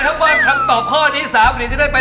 เชอร์ลีขอบคุณพี่ช่วย